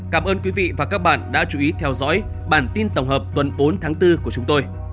cảm ơn quý vị và các bạn đã chú ý theo dõi bản tin tổng hợp tuần bốn tháng bốn của chúng tôi